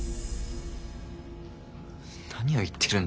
何を言ってるんだ。